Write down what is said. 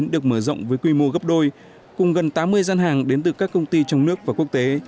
được mở rộng với quy mô gấp đôi cùng gần tám mươi gian hàng đến từ các công ty trong nước và quốc tế